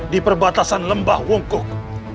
di perbatasan lembah wungkuk